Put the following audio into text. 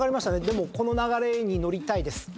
でもこの流れに乗りたいです。